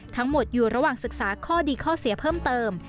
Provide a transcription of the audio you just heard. ทั้งหมดอยู่ระหว่างศึกษาข้อดีข้อเสียเพิ่มเติม